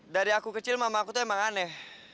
dari aku kecil mama aku tuh emang aneh